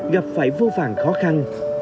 gặp phải vô vàng khó khăn